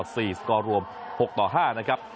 สกอร์รวม๖ต่อ๕นะครับ